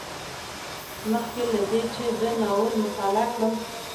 مخکې له دې چې زه ناول مطالعه کړم